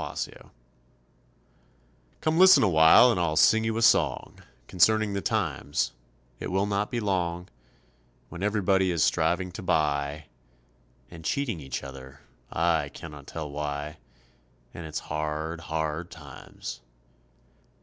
HARD TIMES Come listen a while and I'll sing you a song Concerning the times it will not be long When everybody is striving to buy, And cheating each other, I cannot tell why, And it's hard, hard times.